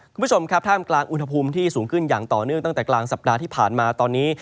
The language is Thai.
คุณผู้ชมครับท่ามกลางอุณหภูมิที่สูงขึ้นอย่างต่อเนื่องตั้งแต่กลางสัปดาห์ที่ผ่านมาตอนนี้